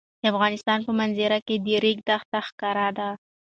د افغانستان په منظره کې د ریګ دښتې ښکاره ده.